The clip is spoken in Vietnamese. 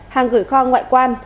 hàng gửi kho ngoại quan